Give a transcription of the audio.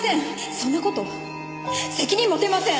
そんな事責任持てません！